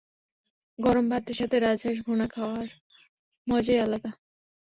গরম ভাতের সঙ্গে রাজহাঁস ভুনা খাওয়ার মজাই আলাদা।